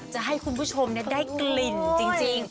จะให้คุณผู้ชมได้กลิ่นจริง